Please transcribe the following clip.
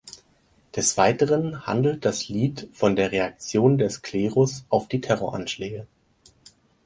Des Weiteren handelt das Lied von der Reaktion des Klerus auf die Terroranschläge.